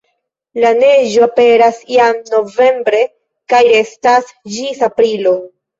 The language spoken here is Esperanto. La neĝo aperas jam novembre kaj restas ĝis aprilo.